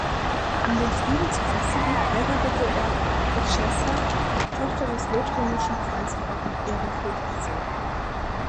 Um den Frieden zu festigen, heiratete er Richeza, Tochter des lothringischen Pfalzgrafen Ehrenfried Ezzo.